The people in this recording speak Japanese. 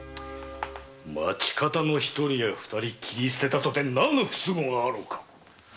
町方の一人や二人切り捨てたとて何の不都合があろうか！